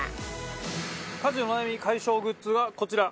家事お悩み解消グッズはこちら。